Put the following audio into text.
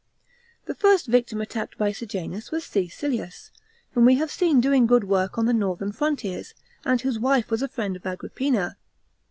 The first victim attacked by Sejanus was C. Siiius, whom we have seen doing good work on the northern frontiers, and whose wife was a friend of A«rippina.